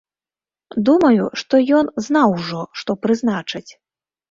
Думаю, што ён знаў ужо, што прызначаць.